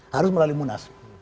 harus melalui munas